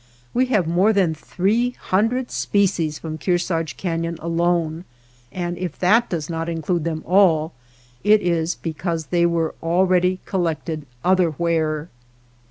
We have more than three hundred species from Kearsarge Canon alone, and if that does not include them all it is because they were already collected otherwhere.